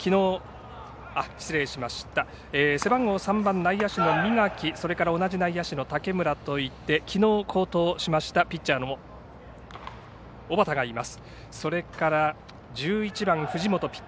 背番号３番内野手の三垣同じ内野手の竹村きのう好投しましたピッチャーの小畠がいます。